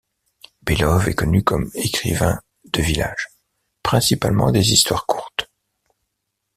Belov est connu comme écrivain de village, principalement des histoires courtes.